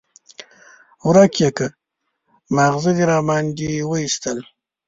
ورک يې کړه؛ ماغزه دې باندې واېستل.